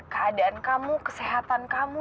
keadaan kamu kesehatan kamu